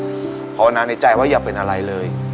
เพราะว่านางในใจว่าอย่าเป็นอะไรเลย